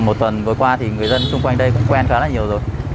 một tuần vừa qua thì người dân xung quanh đây cũng quen khá là nhiều rồi